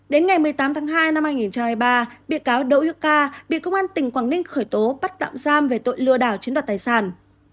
đến ngày một mươi tám hai hai nghìn hai mươi ba bị cáo đội yêu ca bị công an tỉnh quảng ninh khởi tố bắt tạm giam về tội lừa đảo chiến đoạt tài sản